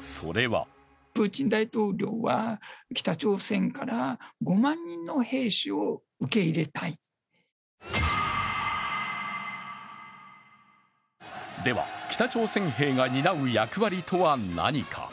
それはでは、北朝鮮兵が担う役割とは何か。